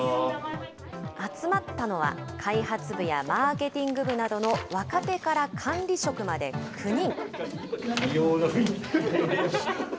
集まったのは、開発部やマーケティング部などの若手から管理職まで９人。